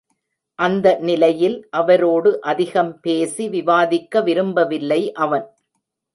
அந்த நிலையில் அவரோடு அதிகம் பேசி விவாதிக்க விரும்பவில்லை அவன்.